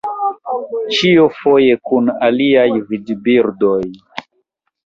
Ĉio foje kun aliaj vadbirdoj.